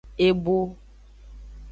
Ebo.